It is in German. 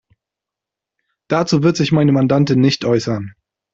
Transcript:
Dazu wird sich meine Mandantin nicht äußern.